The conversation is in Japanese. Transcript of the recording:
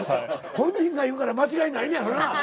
本人が言うから間違いないねやろな。